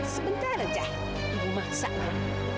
sebentar aja ibu masak bu